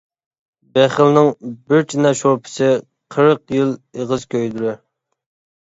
بېخىلنىڭ بىر چىنە شورپىسى قىرىق يىل ئېغىز كۆيدۈرەر.